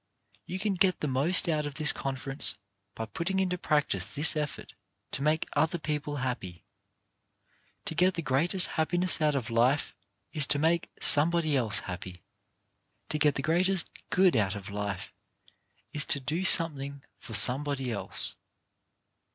You can get the most out of this Conference by putting into practice this effort to make other people happy. To get the greatest happiness out of life is to make somebody else happy. To get the greatest good out of life is to do something for somebody else.